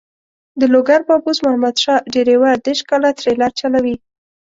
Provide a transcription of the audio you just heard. د لوګر بابوس محمد شاه ډریور دېرش کاله ټریلر چلوي.